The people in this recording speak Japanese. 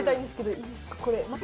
これ。